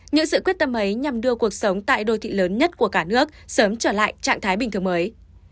những sự quyết tâm ấy nhằm đưa cuộc sống tại đô thị lớn nhất của cả nước sớm trở lại trạng thái bình thường mới